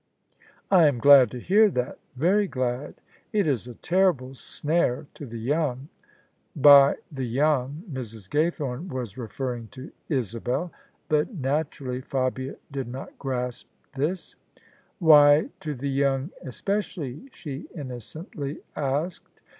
" I am glad to hear that — ^very glad : it is a terrible snare to the young." By " the young " Mrs. Ga5rthome was re ferring to Isabel : but naturally Fabia did not grasp this. " Why to the young especially? " she innocently asked.